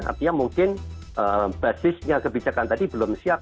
artinya mungkin basisnya kebijakan tadi belum siap